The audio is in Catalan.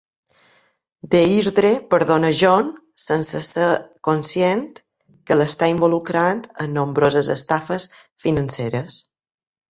Deirdre perdona Jon, sense ser conscient que l'està involucrant en nombroses estafes financeres.